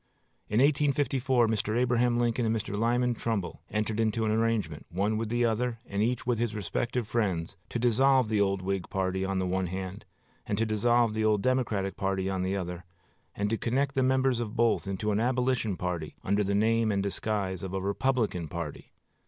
In 1854 Mr. Abraham Lincoln and Mr. Lyman Trumbull entered into an arrangement, one with the other, and each with his respective friends, to dissolve the old Whig party on the one hand, and to dissolve the old Democratic party on the other, and to connect the members of both into an Abolition party, under the name and disguise of a Republican party.